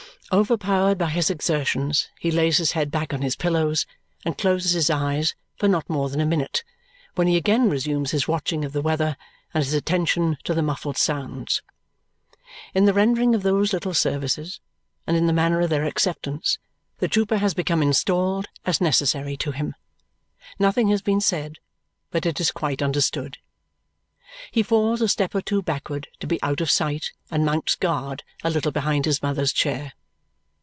Overpowered by his exertions, he lays his head back on his pillows and closes his eyes for not more than a minute, when he again resumes his watching of the weather and his attention to the muffled sounds. In the rendering of those little services, and in the manner of their acceptance, the trooper has become installed as necessary to him. Nothing has been said, but it is quite understood. He falls a step or two backward to be out of sight and mounts guard a little behind his mother's chair.